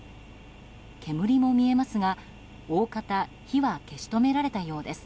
煙も見えますが大方、火は消し止められたようです。